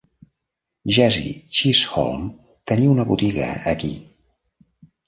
Jesse Chisholm tenia una botiga aquí.